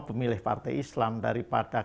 pemilih partai islam daripada